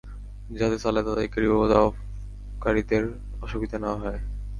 যাতে সালাত আদায়কারী ও তাওয়াফকারীদের অসুবিধা না হয়।